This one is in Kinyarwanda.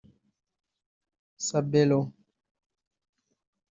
Sabelo